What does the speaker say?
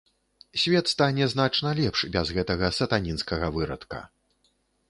Свет стане значна лепш без гэтага сатанінскага вырадка.